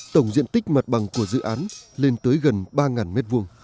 tổng diện tích mặt bằng của dự án lên tới gần ba m hai